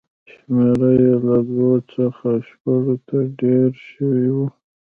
شمېر یې له دوو څخه شپږو ته ډېر شوی و.